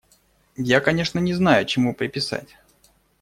Я, конечно, не знаю, чему приписать.